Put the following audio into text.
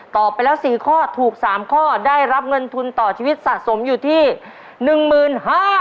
ไปแล้ว๔ข้อถูก๓ข้อได้รับเงินทุนต่อชีวิตสะสมอยู่ที่๑๕๐๐บาท